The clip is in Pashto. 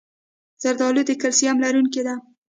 زردالو د کلسیم لرونکی ده.